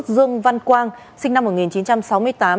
dương văn quang sinh năm một nghìn chín trăm sáu mươi tám